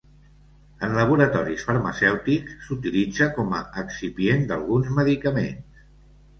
En laboratoris farmacèutics s'utilitza com a excipient d'alguns medicaments.